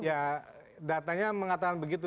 ya datanya mengatakan begitu